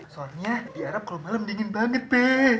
soalnya di arab kalo malem dingin banget be